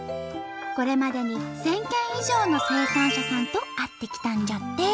これまでに１，０００軒以上の生産者さんと会ってきたんじゃって！